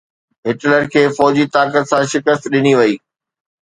Hitler کي فوجي طاقت سان شڪست ڏني وئي.